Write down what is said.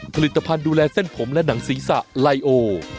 ผลิตภัณฑ์ดูแลเส้นผมและหนังศีรษะไลโอ